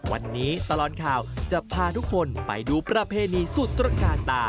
วันนี้ตลอดข่าวจะพาทุกคนไปดูประเพณีสุดตระกาลตา